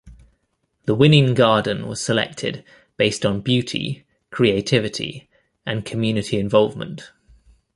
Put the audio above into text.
The winning garden was selected based on beauty, creativity and community involvement.